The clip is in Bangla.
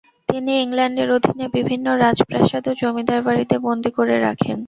তিনি ইংল্যান্ডের অধীনে বিভিন্ন রাজপ্রাসাদ ও জমিদার বাড়িতে বন্দী করে রাখেন।